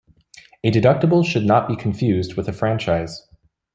A deductible should not be confused with a franchise.